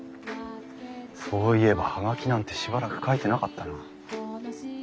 そういえば葉書なんてしばらく書いてなかったな。